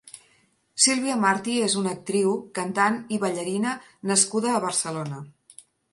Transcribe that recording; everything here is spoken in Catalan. Silvia Marty és una actriu, cantant i ballarina nascuda a Barcelona.